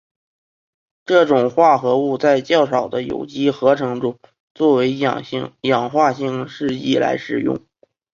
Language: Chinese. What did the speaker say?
这种化合物在较少的有机合成中作为氧化性试剂来使用。